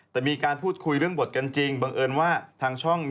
แต่มีการพูดคุยเรื่องบทกันจริงบังเอิญว่าทางช่อง